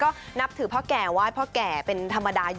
ก็นับถือพ่อแก่ไหว้พ่อแก่เป็นธรรมดาอยู่